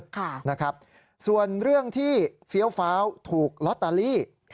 ค่ะนะครับส่วนเรื่องที่เฟี้ยวฟ้าวถูกลอตเตอรี่